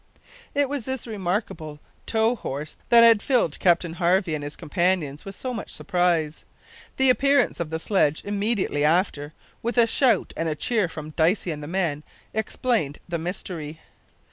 It was this remarkable tow horse that had filled Captain Harvey and his companions with so much surprise. The appearance of the sledge immediately after, with a shout and a cheer from Dicey and the men, explained the mystery.